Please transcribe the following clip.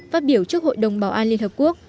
phát biểu trước hội đồng bảo an liên hợp quốc